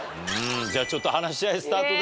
じゃあちょっと話し合いスタートです。